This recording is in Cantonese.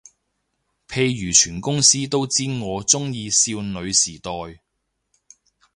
譬如全公司都知我鍾意少女時代